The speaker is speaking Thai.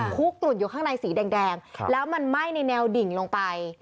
คุกกลุ่นอยู่ข้างในสีแดงแล้วมันไหม้ในแนวดิ่งลงไป